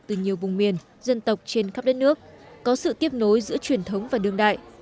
từ nhiều vùng miền dân tộc trên khắp đất nước có sự tiếp nối giữa truyền thống và đương đại